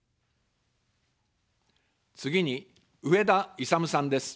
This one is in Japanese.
次に、上田いさむさんです。